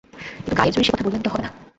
কিন্তু গায়ের জোরে সে কথা বললে তো হবে না।